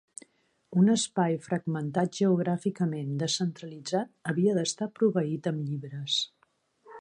Un espai fragmentat geogràficament descentralitzat havia d'estar proveït amb llibres.